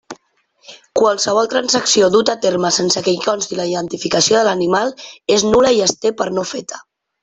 Qualsevol transacció duta a terme sense que hi consti la identificació de l'animal és nul·la i es té per no feta.